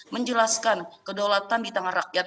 menjelaskan kedaulatan di tengah rakyat